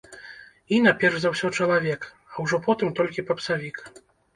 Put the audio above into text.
Іна перш за ўсё чалавек, а ўжо потым толькі папсавік.